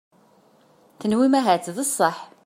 Tenwim ahat d sseḥ.